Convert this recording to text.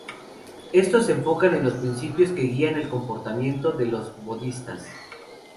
Estos se enfocan en los principios que guían el comportamiento de los Bodhisattvas.